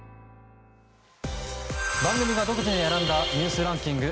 番組が独自に選んだニュースランキング。